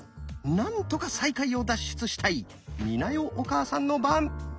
なんとか最下位を脱出したい美奈代お母さんの番。